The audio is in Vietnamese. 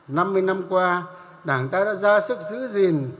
năm mươi năm qua đảng ta đã ra sức giữ gìn